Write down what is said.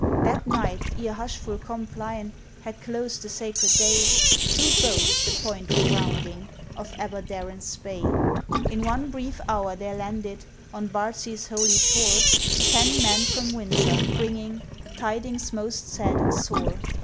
That night, ere hushful Compline Had closed the sacred day, Two boats the Point were rounding, Of Aberdaron's Bay. In one brief hour there landed, On Bardsey's holy shore, Ten men from Windsor, bringing Tidings most sad and sore.